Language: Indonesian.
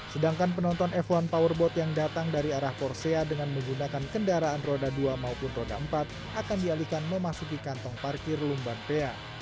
sedangkan penonton f satu powerboat yang datang dari arah forcea dengan menggunakan kendaraan roda dua maupun roda empat akan dialihkan memasuki kantong parkir lumban pea